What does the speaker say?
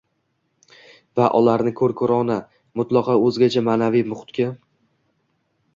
va ularni ko‘r-ko‘rona, mutlaqo o‘zgacha ma’naviy muhitga